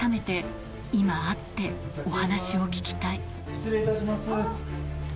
改めて、失礼いたします。